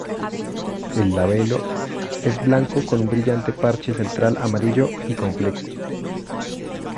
El labelo es blanco con un brillante parche central amarillo y con flecos.